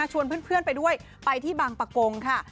ชวนเพื่อนไปด้วยไปที่บางประกงค่ะ